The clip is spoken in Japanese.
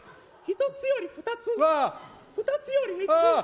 １つより２つ２つより３つ。